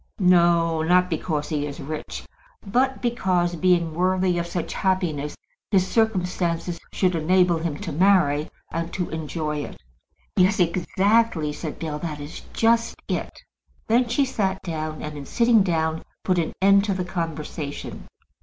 "No; not because he is rich. But because, being worthy of such happiness, his circumstances should enable him to marry, and to enjoy it." "Yes, exactly," said Bell. "That is just it." Then she sat down, and in sitting down put an end to the conversation.